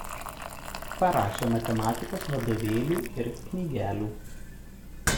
Parašė matematikos vadovėlių ir knygelių.